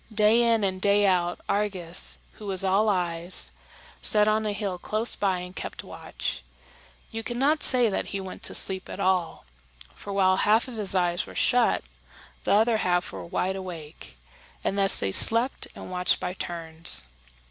Day in and day out, Argus, who was all eyes, sat on a hill close by and kept watch; and you could not say that he went to sleep at all, for while half of his eyes were shut, the other half were wide awake, and thus they slept and watched by turns.